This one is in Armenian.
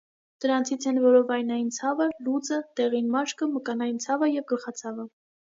Դրանցից են՝ որովայնային ցավը, լուծը, դեղին մաշկը, մկանային ցավը, և գլխացավը։